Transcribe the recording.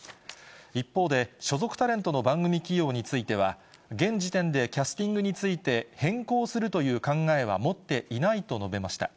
一方で、所属タレントの番組起用については、現時点でキャスティングについて変更するという考えは持っていないと述べました。